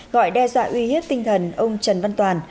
gọi đe dọa uy hiếp tinh thần ông trần văn toàn